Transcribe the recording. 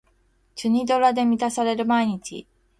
チュニドラで満たされる毎日